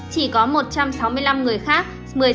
chỉ có một trăm sáu mươi năm người khác